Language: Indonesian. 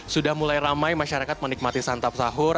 sudah mulai ramai masyarakat menikmati santap sahur